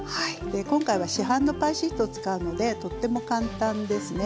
今回は市販のパイシートを使うのでとっても簡単ですね。